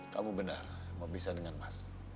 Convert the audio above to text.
kamu benar mau bisa dengan mas